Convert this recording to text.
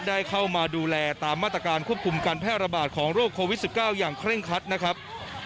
ได้เข้ามาดูแลตามมาตรการควบคุมการแพร่ระบาดของโรคโควิด๑๙อย่างเคร่งคัดนะครับ